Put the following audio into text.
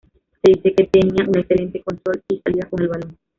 Se dice que tenía un excelente control y salida con el balón.